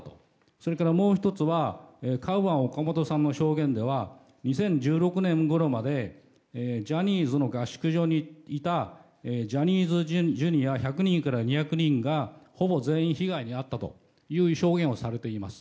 それからもう１つはカウアン・オカモトさんの証言で２０１６年ごろまでジャニーズの合宿所にいたジャニーズＪｒ．１００人から２００人がほぼ全員被害に遭ったという証言をされています。